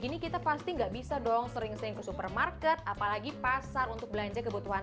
ini kita pasti nggak bisa dong sering sering ke supermarket apalagi pasar untuk belanja kebutuhan